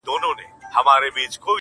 غوړولی یې په ملک کي امنیت وو،